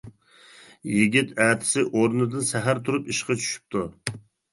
يىگىت ئەتىسى ئورنىدىن سەھەر تۇرۇپ ئىشقا چۈشۈپتۇ.